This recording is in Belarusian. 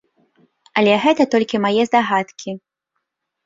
Але гэта толькі мае здагадкі.